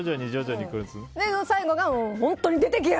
最後が本当に出てけや！